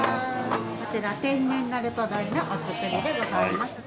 こちら天然鳴門ダイのお造りでございます。